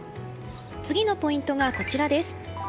次のポイントは、こちらです。